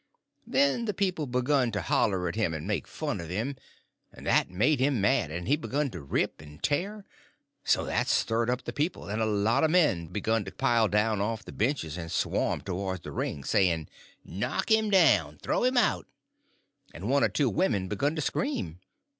Then the people begun to holler at him and make fun of him, and that made him mad, and he begun to rip and tear; so that stirred up the people, and a lot of men begun to pile down off of the benches and swarm towards the ring, saying, "Knock him down! throw him out!" and one or two women begun to scream.